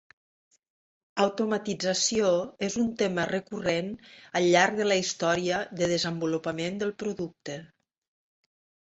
Automatització és un tema recurrent al llarg de la història de desenvolupament del producte.